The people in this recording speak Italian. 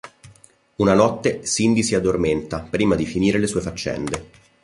Una notte, Cindy si addormenta prima di finire le sue faccende.